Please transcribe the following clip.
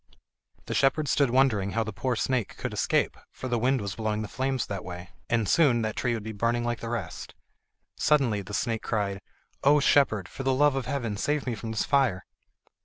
The shepherd stood wondering how the poor snake could escape, for the wind was blowing the flames that way, and soon that tree would be burning like the rest. Suddenly the snake cried: "O shepherd! for the love of heaven save me from this fire!"